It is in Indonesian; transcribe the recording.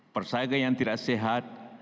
persaingan yang tidak sehat